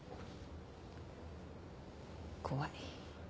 怖い。